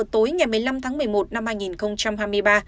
tối ngày một mươi năm tháng một mươi một năm hai nghìn hai mươi ba